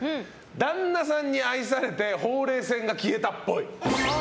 旦那さんに愛されてほうれい線が消えたっぽい。